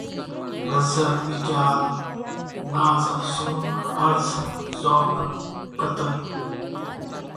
لذت ایجاد ناز افسون عرض ذوق قتل